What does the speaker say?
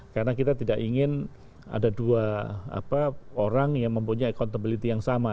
karena kita tidak ingin ada dua orang yang mempunyai accountability yang sama